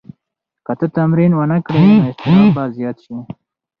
که ته تمرین ونه کړې نو اضطراب به زیات شي.